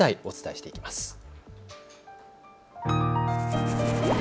お伝えしていきます。